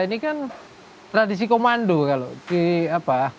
ini kan tradisi komando kalau di apa